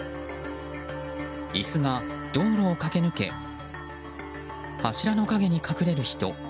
椅子が道路を駆け抜け柱の陰に隠れる人